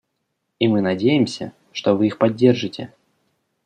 И мы надеемся, что вы их поддержите.